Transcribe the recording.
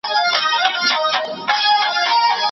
هغه هيڅکله خپلي تجربې له نورو خلکو سره نه شریکوي.